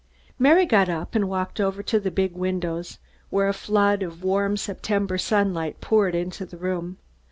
Mary got up and walked over to the big windows where a flood of warm September sunlight poured into the room.